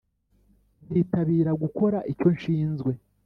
nkitabira gukora icyo nshinzwe